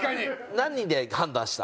何で判断した？